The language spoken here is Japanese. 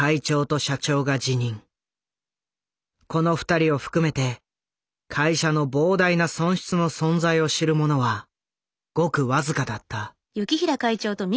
この２人を含めて会社の膨大な損失の存在を知る者はごく僅かだった。